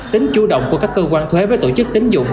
tính chủ động của các cơ quan thuế với tổ chức tính dụng